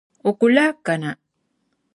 O ku lahi kana!